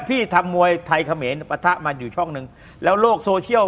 พี่ทำมวยไทยเขมรปะทะมาอยู่ช่องหนึ่งแล้วโลกโซเชียล